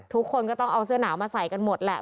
ทุกคนก็ต้องเอาเสื้อหนาวมาใส่กันหมดแหละ